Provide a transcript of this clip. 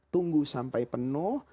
tunggu sampai penuh